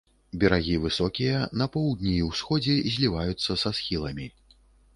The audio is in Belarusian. Берагі высокія, на поўдні і ўсходзе зліваюцца са схіламі.